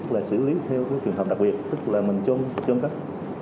là xử lý theo cái trường hợp đặc biệt tức là mình trôn cất